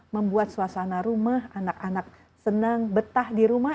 membuat suasana rumah anak anak senang betah di rumah